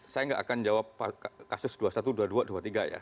saya nggak akan jawab kasus dua puluh satu dua puluh dua dua puluh tiga ya